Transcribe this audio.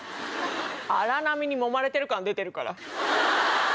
荒波にもまれてる感出てるから。